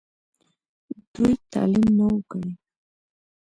دوي تعليم نۀ وو کړی